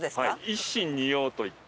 一芯二葉といって。